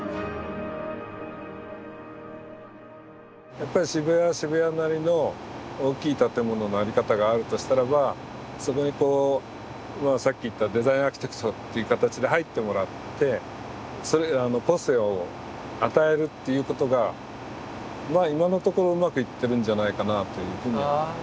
やっぱり渋谷は渋谷なりの大きい建物の在り方があるとしたらばそこにこうさっき言ったデザインアーキテクトっていう形で入ってもらって個性を与えるっていうことがまあ今のところうまくいってるんじゃないかなっていうふうには思います。